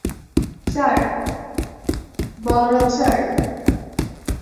Sir, Balram, sir.